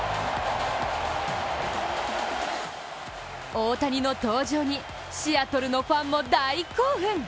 大谷の登場にシアトルのファンも大興奮。